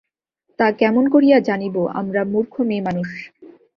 তা কেমন করিয়া জানিব, আমরা মূর্খ মেয়েমানুষ।